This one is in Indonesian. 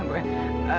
ini aku naratama